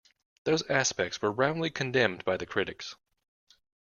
Those aspects were roundly condemned by the critics.